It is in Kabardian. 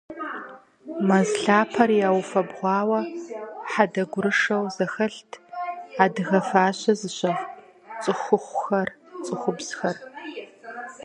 Мэз лъапэр яуфэбгъуауэ хьэдэ гурышэу зэхэлът адыгэ фащэ зыщыгъ цӀыхухъухэр, цӀыхубзхэр.